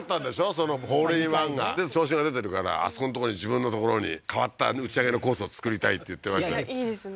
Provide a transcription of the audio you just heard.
そのホールインワンがで調子が出てるからあそこの所に自分の所に変わった打ち上げのコースを造りたいって言ってましたいいですね